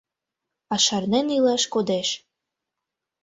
А шарнен илаш кодеш.